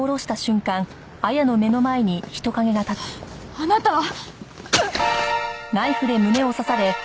あなたは！？